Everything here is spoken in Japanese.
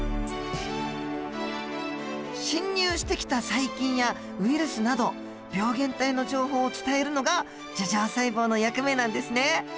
侵入してきた細菌やウイルスなど病原体の情報を伝えるのが樹状細胞の役目なんですね。